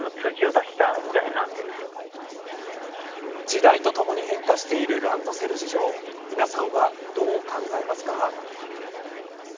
時代とともに変化しているランドセル事情皆さんは、どう考えますか。